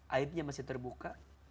aibnya masih terbuka